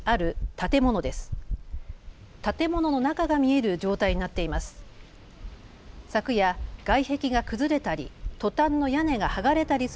建物の中が見える状態になっています。